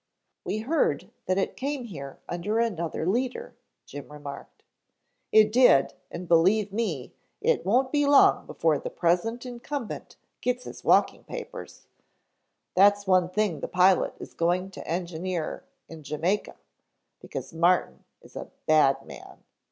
"We heard that it came here under another leader," Jim remarked. "It did, and believe me, it won't be long before the present incumbent gets his walking papers. That's one thing the pilot is going to engineer in Jamaica, because Martin is a bad man.